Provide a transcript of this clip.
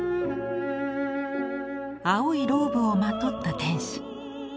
青いローブをまとった天使。